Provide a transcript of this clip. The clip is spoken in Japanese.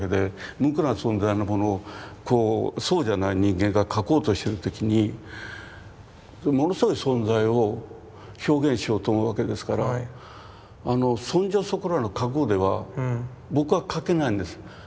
無垢な存在のものをそうじゃない人間が描こうとしてる時にものすごい存在を表現しようと思うわけですからそんじょそこらの覚悟では僕は描けないんです。